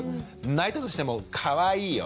泣いたとしても「かわいいよ。